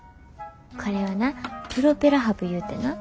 これはなプロペラハブいうてな。